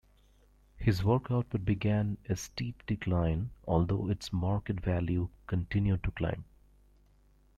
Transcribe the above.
His work output began a steep decline, although its market value continued to climb.